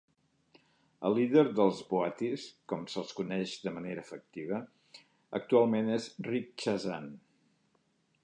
El líder dels Boaties, com se'ls coneix de manera afectiva, actualment és Rick Chazan.